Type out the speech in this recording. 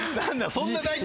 そんな大事。